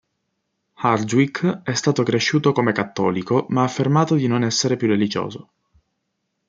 Hardwick è stato cresciuto come cattolico, ma ha affermato di non essere più religioso.